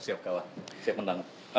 siap kalah siap menang